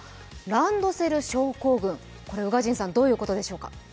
ランドセル症候群、これ宇賀神さんどういうことでしょうか。